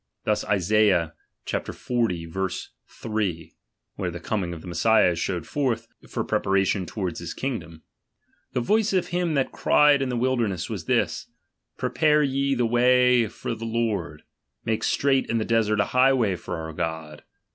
Thus Isaiah xl. 3 : (where the coming of the Mes sias is shewed forth, for preparation towards his kingdom) : The voice of him that cried in the wilderness, was this : Prepare ye the way of the Lord, make straight in the desert a highway Jor our God.